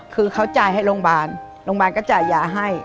คือเขาจ่ายให้โรงพยาบาลโรงพยาบาลก็จ่ายยาให้